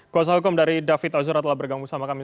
kuasa hukum dari david ozora telah bergabung sama kami